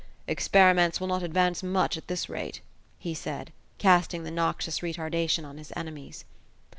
"Experiments will not advance much at this rate," he said, casting the noxious retardation on his enemies.